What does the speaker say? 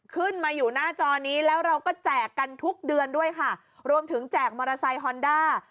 ขึ้นมาอยู่หน้าจอนี้แล้วเราก็แจกกันทุกเดือนด้วยค่ะรวมถึงแจกมอเตอร์ไซค์ฮอนด้า